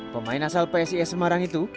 pemain asal psis semarang itu